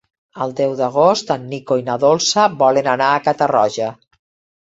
El deu d'agost en Nico i na Dolça volen anar a Catarroja.